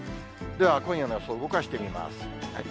では今夜の予想を動かしてみます。